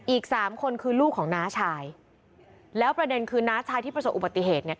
อีกสามคนคือลูกของน้าชายแล้วประเด็นคือน้าชายที่ประสบอุบัติเหตุเนี่ย